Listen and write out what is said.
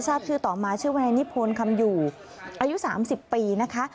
ทราบชื่อต่อมาชื่อวนายนิพนธ์คำอยู่อายุ๓๐ปีนะคะ